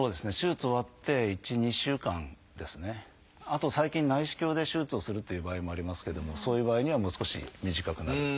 あと最近内視鏡で手術をするっていう場合もありますけれどもそういう場合にはもう少し短くなると。